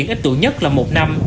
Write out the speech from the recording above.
ít tuổi nhất là một năm